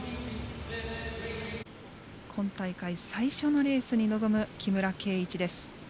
今大会最初のレースに臨む木村敬一です。